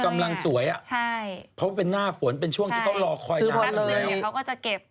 กำลังสวยอะเพราะเป็นหน้าฝนเป็นช่วงที่เขารอคอยน้ำแบบนั้นเลยคันหนึ่งเขาก็จะเก็บ